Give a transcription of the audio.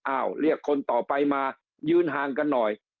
เรียกคนต่อไปมายืนห่างกันหน่อย